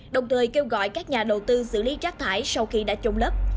đồng thời kêu gọi các nhà đầu tư xử lý rác thải sau khi đã trôn lấp